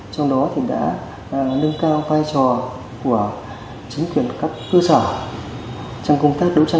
thường xuyên tuyên truyền giáo dục cho quận chính nhân dân trên địa bàn khu vực đường sát